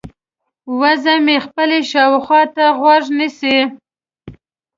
وزه مې خپلې شاوخوا ته غوږ نیسي.